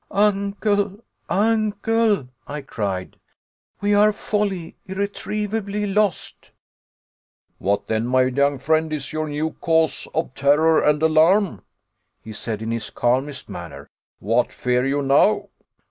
"Uncle, Uncle!" I cried, "we are wholly, irretrievably lost!" "What, then, my young friend, is your new cause of terror and alarm?" he said in his calmest manner. "What fear you now?"